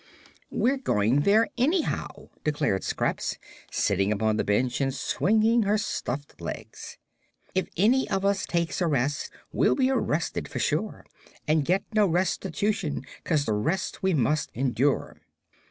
"We're going there, anyhow," declared Scraps, sitting upon the bench and swinging her stuffed legs. "If any of us takes a rest, We'll be arrested sure, And get no restitution 'Cause the rest we must endure."